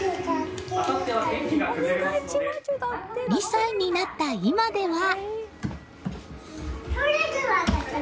２歳になった今では。